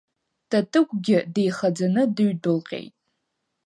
Татыгәгьы деихаӡаны дыҩдәылҟьеит.